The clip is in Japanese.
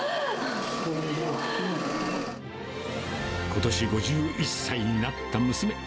ことし５１歳になった娘。